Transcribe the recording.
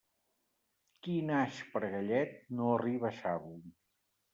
Qui naix per a gallet no arriba a xavo.